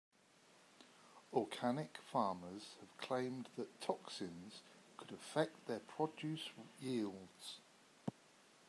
Organic farmers have claimed that toxins could affect their produce yields.